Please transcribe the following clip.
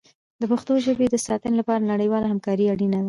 د پښتو ژبې د ساتنې لپاره نړیواله همکاري اړینه ده.